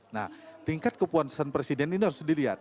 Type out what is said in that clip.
nah tingkat kepuasan presiden ini harus dilihat